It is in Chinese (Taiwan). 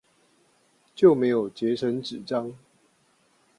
就沒有節省紙張